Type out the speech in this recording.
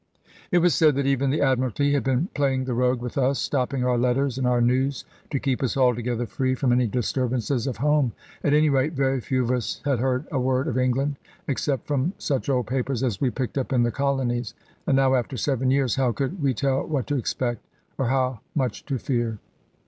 It was said that even the Admiralty had been playing the rogue with us, stopping our letters, and our news, to keep us altogether free from any disturbances of home. At any rate, very few of us had heard a word of England, except from such old papers as we picked up in the colonies. And now, after seven years, how could we tell what to expect, or how much to fear?